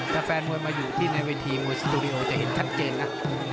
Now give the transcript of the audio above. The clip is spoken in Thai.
ถ้าแฟนมวยมาอยู่ที่ในเวทีมวยสตูดิโอจะเห็นชัดเจนนะ